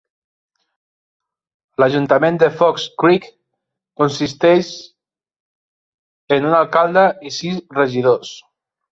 L'ajuntament de Fox Creek consisteix en un alcalde i sis regidors.